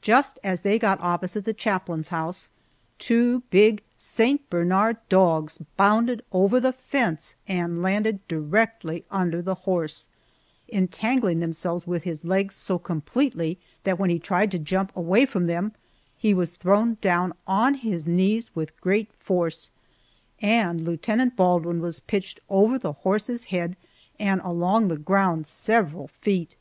Just as they got opposite the chaplain's house, two big St. Bernard dogs bounded over the fence and landed directly under the horse, entangling themselves with his legs so completely that when he tried to jump away from them he was thrown down on his knees with great force, and Lieutenant Baldwin was pitched over the horse's head and along the ground several feet.